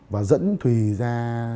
và dẫn thùy ra